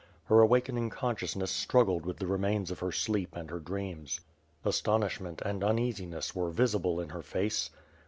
Her awakening consciousness struggled with the remains of her sleep and her dreams. Astonishment and uneasiness were visible in her face.